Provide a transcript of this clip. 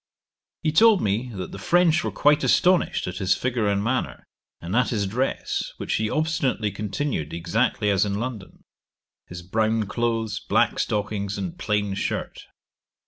He told me, that the French were quite astonished at his figure and manner, and at his dress, which he obstinately continued exactly as in London; his brown clothes, black stockings, and plain shirt.